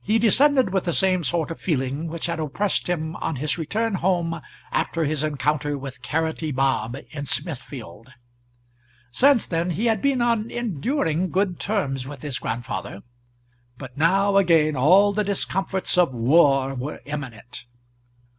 He descended with the same sort of feeling which had oppressed him on his return home after his encounter with Carroty Bob in Smithfield. Since then he had been on enduring good terms with his grandfather, but now again all the discomforts of war were imminent.